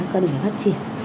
cần phải phát triển